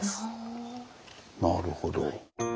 なるほど。